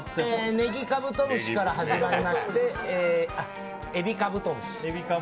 ネギカブトムシから始まりまエビカブトムシ。